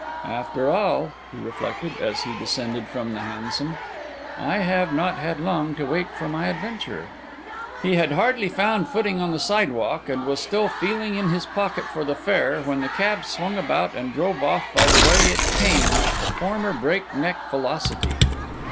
"After all," he reflected, as he descended from the hansom, "I have not had long to wait for my adventure." He had hardly found footing on the side walk, and was still feeling in his pocket for the fare, when the cab swung about and drove off by the way it came at the former break neck velocity.